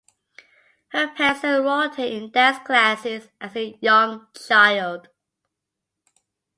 Her parents enrolled her in dance classes as a young child.